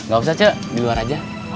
gak usah cek di luar aja